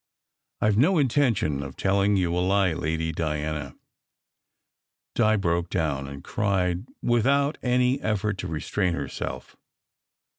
"I ve no intention of telling you a lie, Lady Diana." Di broke down, and cried without any effort to restrain herself.